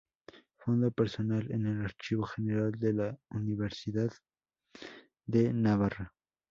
Fondo personal en el Archivo General de la Universidad de Navarra